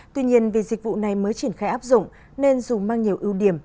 tuy nhiên vì dịch vụ này mới triển khai áp dụng nên dù mang nhiều ưu điểm